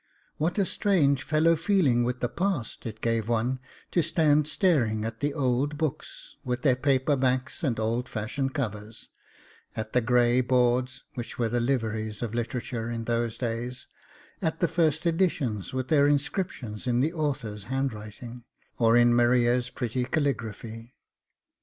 What a strange fellow feeling with the past it gave one to stand staring at the old books, with their paper backs and old fashioned covers, at the gray boards, which were the liveries of literature in those early days; at the first editions, with their inscriptions in the author's handwriting, or in Maria's pretty caligraphy.